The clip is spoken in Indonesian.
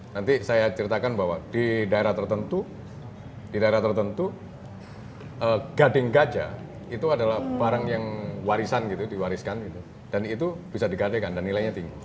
nanti saya ceritakan bahwa di daerah tertentu di daerah tertentu gading gajah itu adalah barang yang warisan gitu diwariskan dan itu bisa digadekan dan nilainya tinggi